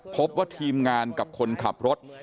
พบว่าทีมงานกับคนขับรถ